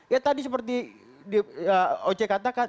ya tadi seperti oce katakan